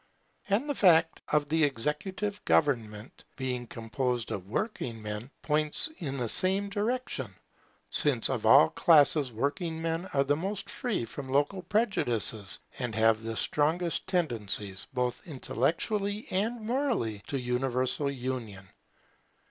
And the fact of the executive government being composed of working men, points in the same direction; since of all classes working men are the most free from local prejudices, and have the strongest tendencies, both intellectually and morally, to universal union.